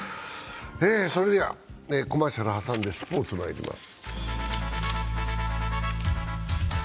それではコマーシャルを挟んでスポーツまいります。